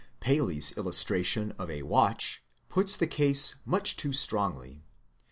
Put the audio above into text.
Paley's illustration of a watch puts the case much too strongly.